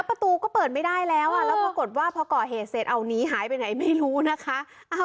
ประตูก็เปิดไม่ได้แล้วแล้วปรากฏว่าพอก่อเหตุเสร็จเอาหนีหายไปไหนไม่รู้นะคะ